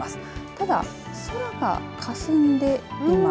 ただ、空がかすんでいます。